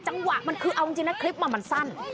จังหวะมันคือเอาจริงนะคลิปมันสั้น